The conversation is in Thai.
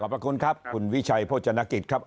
ขอบคุณครับคุณวิชัยโภชนกิจครับ